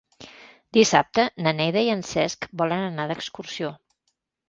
Dissabte na Neida i en Cesc volen anar d'excursió.